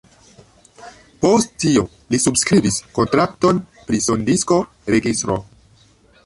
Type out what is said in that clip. Post tio li subskribis kontrakton pri sondisko-registro.